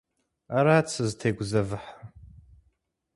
Арат сызытегузэвыхьыр.